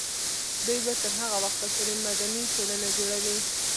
دوی به تر هغه وخته پورې مدني ټولنه جوړوي.